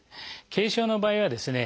軽症の場合はですね